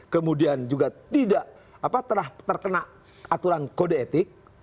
kemudian juga tidak terkena aturan kode etik